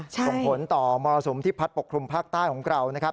ส่งผลต่อมรสุมที่พัดปกคลุมภาคใต้ของเรานะครับ